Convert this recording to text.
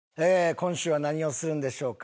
今週は何をするんでしょうか？